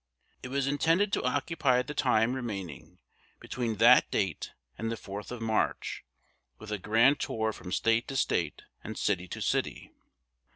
It was intended to occupy the time remaining between that date and the 4th of March with a grand tour from State to State and city to city.